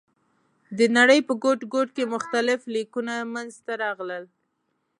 د نړۍ په ګوټ ګوټ کې مختلف لیکونه منځ ته راغلل.